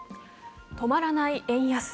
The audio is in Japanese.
止まらない円安。